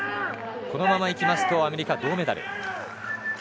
このままいきますとアメリカが銅メダル。